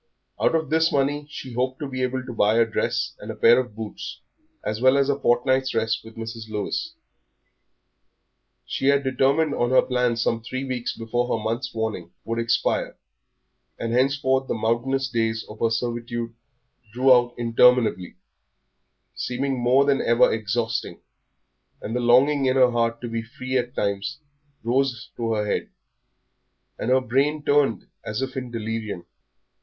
Out of this money she hoped to be able to buy a dress and a pair of boots, as well as a fortnight's rest with Mrs. Lewis. She had determined on her plans some three weeks before her month's warning would expire, and henceforth the mountainous days of her servitude drew out interminably, seeming more than ever exhausting, and the longing in her heart to be free at times rose to her head, and her brain turned as if in delirium.